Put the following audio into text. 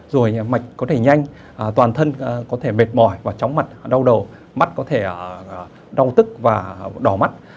rồi mạch có thể nhanh toàn thân có thể mệt mỏi và chóng mặt đau đầu mắt có thể đau tức và đỏ mắt